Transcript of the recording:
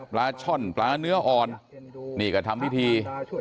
ปลาช่อนปลาเนื้ออ่อนนี่ก็ทำพิธี